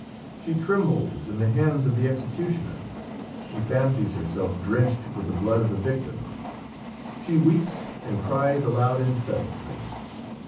She trembles in the hands of the executioner; she fancies herself drenched with the blood of the victims; she weeps and cries aloud incessantly.